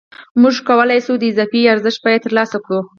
موږ کولای شو د اضافي ارزښت بیه ترلاسه کړو